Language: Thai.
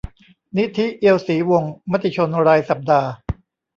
นิธิ เอียวศรีวงศ์ มติชนรายสัปดาห์